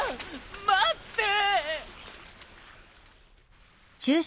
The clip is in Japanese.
待ってぇ！